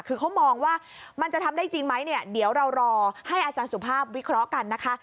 คือเขามองว่ามันจะทำได้จริงไหมเนี่ยเดี๋ยวเรารอให้อาจารย์สุภาพวิเคราะห์กันนะคะ